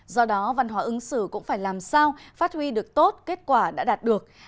do đó văn hóa ứng xử cũng phải làm sao phát huy được tốt kết quả đã đạt được